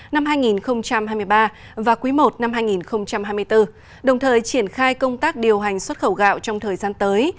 năm hai nghìn hai mươi ba và quý i năm hai nghìn hai mươi bốn đồng thời triển khai công tác điều hành xuất khẩu gạo trong thời gian tới